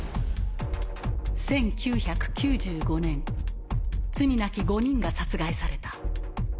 １９９５年罪なき５人が殺害された。